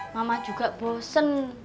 mama juga bosen